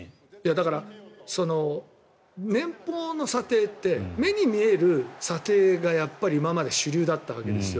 だから、年俸の査定って目に見える査定が今まで主流だったわけですよ。